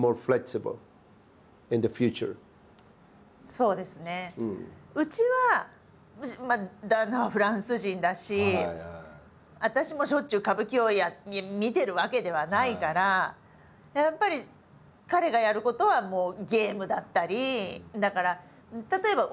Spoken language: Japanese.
そうですねうちはまあ旦那はフランス人だし私もしょっちゅう歌舞伎を見てるわけではないからやっぱり彼がやることはゲームだったり。